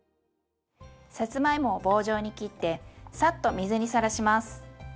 さつまいもは棒状に切ってサッと水にさらします。